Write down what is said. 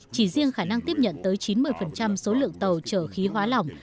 chỉ riêng khả năng tiếp nhận tới chín mươi số lượng tàu chở khí hóa lỏng